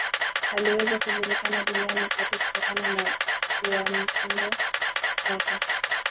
aliweza kujulikana duniani kote kutokana na uanamitindo wake